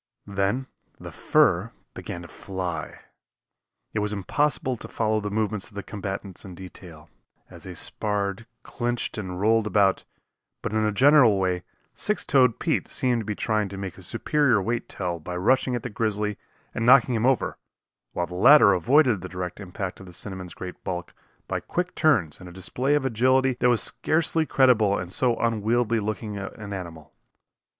Then the fur began to fly. It was impossible to follow the movements of the combatants in detail, as they sparred, clinched and rolled about, but in a general way Six Toed Pete seemed to be trying to make his superior weight tell by rushing at the grizzly and knocking him over, while the latter avoided the direct impact of the cinnamon's great bulk by quick turns and a display of agility that was scarcely credible in so unwieldy looking an animal.